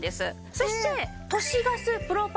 そして。